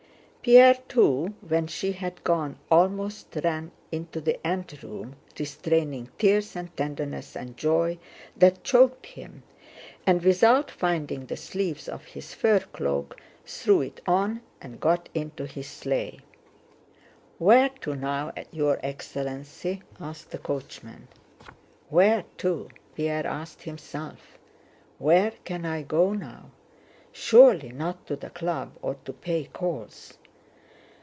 Pierre too when she had gone almost ran into the anteroom, restraining tears of tenderness and joy that choked him, and without finding the sleeves of his fur cloak threw it on and got into his sleigh. "Where to now, your excellency?" asked the coachman. "Where to?" Pierre asked himself. "Where can I go now? Surely not to the Club or to pay calls?"